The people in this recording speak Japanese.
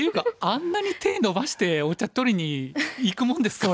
あんなに手伸ばしてお茶取りにいくもんですか。